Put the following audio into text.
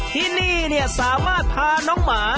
ที่นี่สามารถพาน้องหมา